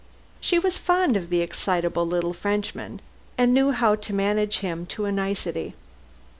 She was fond of the excitable little Frenchman, and knew how to manage him to a nicety.